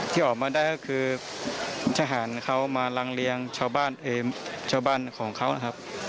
ที่ออกมาได้ก็คือทหารเขามารังเลี้ยงชาวบ้านของเขานะครับ